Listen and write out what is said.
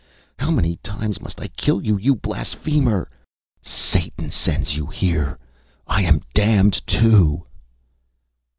How many times must I kill you you blasphemer! Satan sends you here. I am damned too!